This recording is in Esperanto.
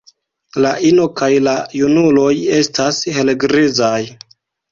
La ino kaj la junuloj estas helgrizaj.